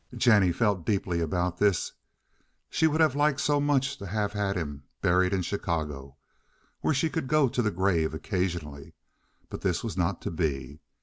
Jennie felt deeply about this. She would have liked so much to have had him buried in Chicago, where she could go to the grave occasionally, but this was not to be.